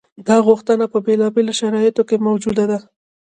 دا غوښتنه په بېلابېلو شرایطو کې موجوده ده.